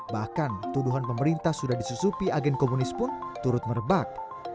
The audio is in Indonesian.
bahkan tuduhan pemerintah sudah disusupi agen komunis pun turut merebak